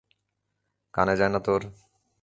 কানে যায় না তোর!